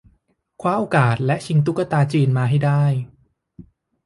คว้าโอกาสและชิงตุ๊กตาจีนมาให้ได้